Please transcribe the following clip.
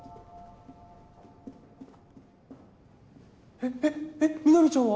えっえっ美波ちゃんは？